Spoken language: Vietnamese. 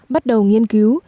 bắt đầu nghiên cứu